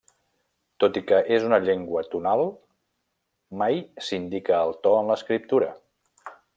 Tot i que és una llengua tonal, mai s'indica el to en l'escriptura.